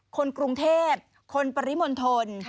คนกรุงเทพคนปริมณฑล